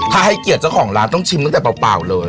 ถ้าให้เกียรติเจ้าของร้านต้องชิมตั้งแต่เปล่าเลย